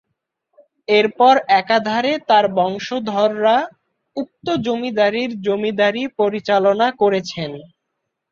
এরপর একাধারে তার বংশধররা উক্ত জমিদারীর জমিদারী পরিচালনা করেছেন।